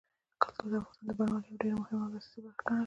کلتور د افغانستان د بڼوالۍ یوه ډېره مهمه او اساسي برخه ګڼل کېږي.